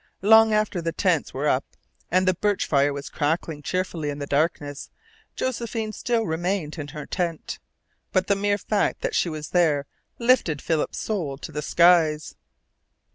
Long after the tents were up and the birch fire was crackling cheerfully in the darkness Josephine still remained in her tent. But the mere fact that she was there lifted Philip's soul to the skies.